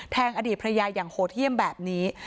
แทงอดีตพระยายอย่างโหเที่ยมแบบนี้